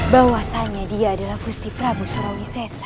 bahwasannya dia adalah gusti prabu surawi sesa